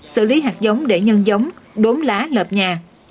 xử lý hạt giống để nhân giống đốn lá lợp nhà